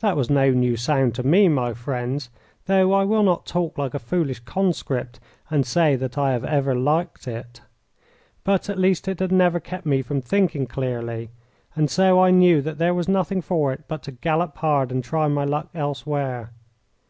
That was no new sound to me, my friends, though I will not talk like a foolish conscript and say that I have ever liked it. But at least it had never kept me from thinking clearly, and so I knew that there was nothing for it but to gallop hard and try my luck elsewhere.